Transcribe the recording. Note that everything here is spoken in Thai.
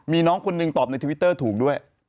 มีน้องคนหนึ่งตอบในทวิตเตอร์ถูกด้วย